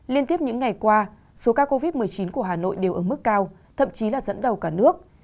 liên tiếp những ngày qua số ca covid một mươi chín của hà nội đều ở mức cao thậm chí là dẫn đầu cả nước